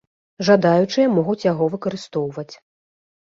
Жадаючыя могуць яго выкарыстоўваць.